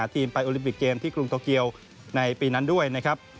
ทีมไปโอลิมปิกเกมที่กรุงโตเกียวในปีนั้นด้วยนะครับ